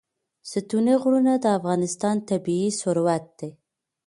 ستوني غرونه د افغانستان طبعي ثروت دی.